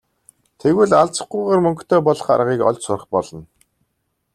Тэгвэл алзахгүйгээр мөнгөтэй болох аргыг олж сурах болно.